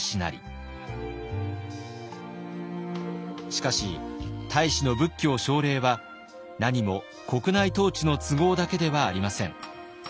しかし太子の仏教奨励はなにも国内統治の都合だけではありません。